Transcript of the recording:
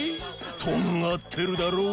とんがってるだろ！